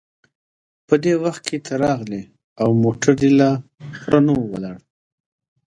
په دې وخت کې ته راغلې او موټر دې لا پوره نه و ولاړ.